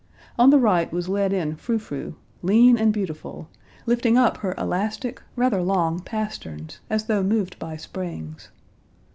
On the right was led in Frou Frou, lean and beautiful, lifting up her elastic, rather long pasterns, as though moved by springs.